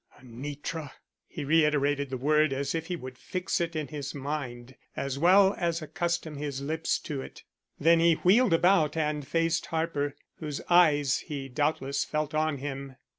Anitra!" He reiterated the word as if he would fix it in his mind as well as accustom his lips to it. Then he wheeled about and faced Harper, whose eyes he doubtless felt on him.